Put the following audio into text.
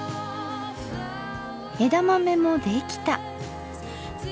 枝豆もできた。